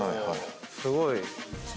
すごい。